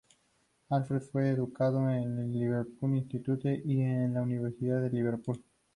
Alfred fue educado en el "Liverpool Institute" y en la Universidad de Liverpool.